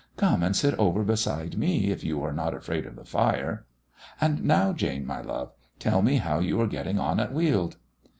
Come and sit over beside me, if you are not afraid of the fire. And now, Jane, my love, tell me how you are getting on at Weald."